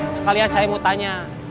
sekalian saya mau tanya